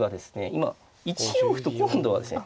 今１四歩と今度はですね。